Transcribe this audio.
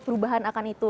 perubahan akan itu